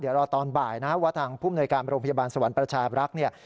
เดี๋ยวรอตอนบ่ายนะว่าทางผู้มนวยการโรงพยาบาลสวรรค์ประชาบรักษ์เนี่ย